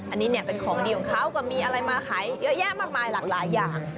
อันนี้เนี่ยเป็นของดีของเขาก็มีอะไรมาขายเยอะแยะมากมายหลากหลายอย่าง